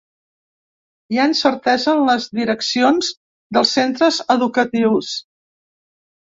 Hi ha incertesa en les direccions dels centres educatius.